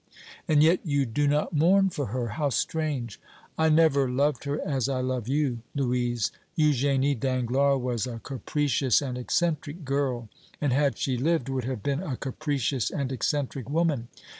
"And yet you do not mourn for her! How strange!" "I never loved her as I love you, Louise. Eugénie Danglars was a capricious and eccentric girl, and had she lived would have been a capricious and eccentric woman.